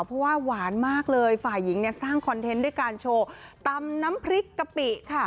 เพราะว่าหวานมากเลยฝ่ายหญิงเนี่ยสร้างคอนเทนต์ด้วยการโชว์ตำน้ำพริกกะปิค่ะ